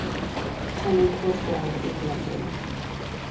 Tennant was born in London.